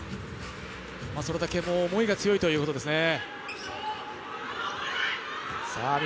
それだけ思いが強いということですね。